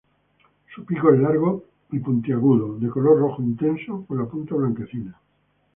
Su pico es largo y puntiagudo, de color rojo intenso con la punta blanquecina.